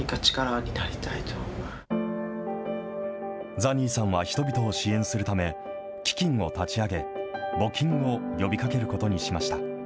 ザニーさんは人々を支援するため、基金を立ち上げ、募金を呼びかけることにしました。